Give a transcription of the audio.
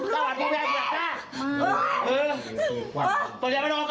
ถ้าหวานพี่ด้วยเดี๋ยวกินนะ